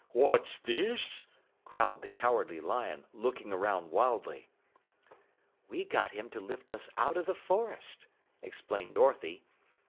What's this?" growled the Cowardly Lion, looking around wildly. "We got him to lift us out of the forest," explained Dorothy.